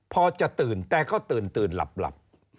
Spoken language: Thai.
พอจะตื่นแต่ก็ตื่นหลับ